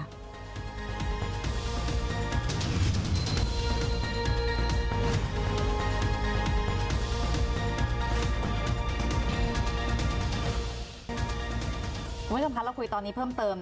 ผู้มันสำคัญเราคุยตอนนี้เพิ่มเติม